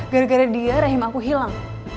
gara gara dia rahim aku hilang